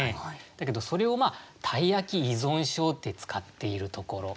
だけどそれを「鯛焼依存症」って使っているところ。